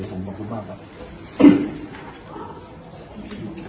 ขอผมบัปพลุภาวฟ้าอื่นครับ